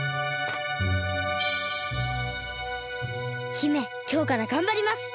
姫きょうからがんばります。